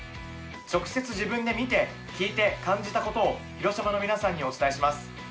直接、自分で見て聞いて感じたことを広島の皆さんにお伝えします。